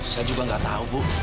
saya juga nggak tahu bu